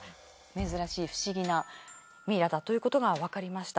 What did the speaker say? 珍しい不思議なミイラだということがわかりました。